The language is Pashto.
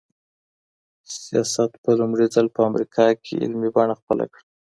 سیاست په لومړي ځل په امریکا کي علمي بڼه خپله کړه.